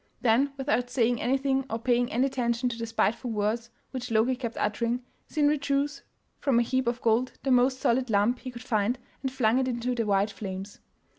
Then without saying anything or paying any attention to the spiteful words which Loki kept uttering, Sindri chose from a heap of gold the most solid lump he could find and flung it into the white flames.